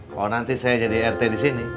kalau nanti saya jadi rt disini